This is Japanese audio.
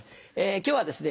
今日はですね